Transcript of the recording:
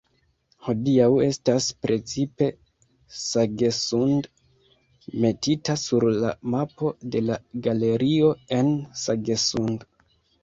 Hodiaŭ estas precipe Sagesund metita sur la mapo de la galerio en Sagesund.